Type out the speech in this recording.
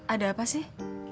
ada apa sih